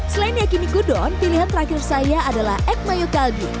selain yakiniku don pilihan terakhir saya adalah egg mayo kalbi